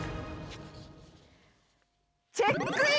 「チェックイン